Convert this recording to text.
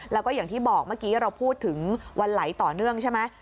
แล้วก็อย่างที่บอกเมื่อกี้เราพูดถึงวันไหลต่อเนื่องใช่ไหม